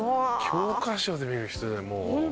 教科書で見る人もう。